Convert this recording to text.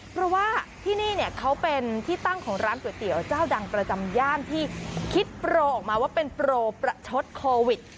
เพราะว่าที่นี่เนี่ยเขาเป็นที่ตั้งของร้านก๋วยเตี๋ยวเจ้าดังประจำย่านที่คิดโปรออกมาว่าเป็นโปรประชดโควิด